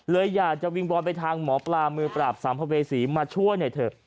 เลยอยากจะวิงวอนไปทางหมอปลามือปราบสัมภเวษีมาช่วยหน่อยเถอะ